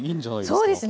そうですね